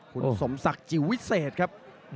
ทุกคนสมศักรณ์ที่วิเศษครับ